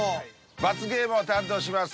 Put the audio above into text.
罰ゲームを担当します